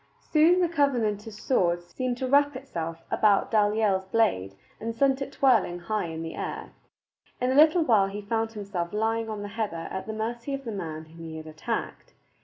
Soon the Covenanter's sword seemed to wrap itself about Dalyell's blade and sent it twirling high in the air. In a little while he found himself lying on the heather at the mercy of the man whom he had attacked.